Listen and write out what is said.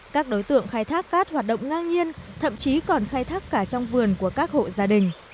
các đối tượng khai thác cát hoạt động ngang nhiên thậm chí còn khai thác cả trong vườn của các hộ gia đình